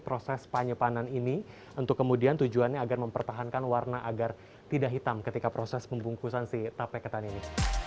proses penyepanan ini untuk kemudian tujuannya agar mempertahankan warna agar tidak hitam ketika proses pembungkusan si tape ketan ini